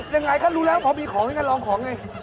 ยังไงคะรู้แล้วพอมีของเรารองของไง